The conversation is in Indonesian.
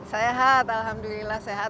sehat alhamdulillah sehat